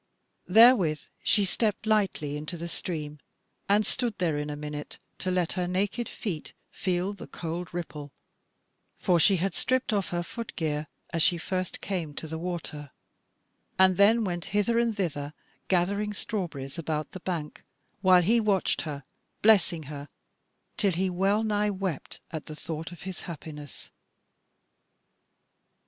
Therewith she stepped lightly into the stream, and stood therein a minute to let her naked feet feel the cold ripple (for she had stripped off her foot gear as she first came to the water), and then went hither and thither gathering strawberries about the bank, while he watched her, blessing her, till he well nigh wept at the thought of his happiness.